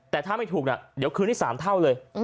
แต่ถ้าไม่ถูกเดี๋ยวคืนให้๓เท่าเลย